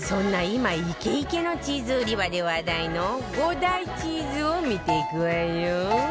今イケイケのチーズ売り場で話題の５大チーズを見ていくわよ